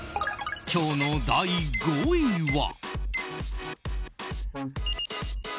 今日の第５位は。